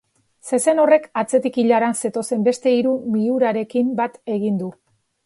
Zezen horrek atzetik ilaran zetozen beste hiru miurarekin bat egin du.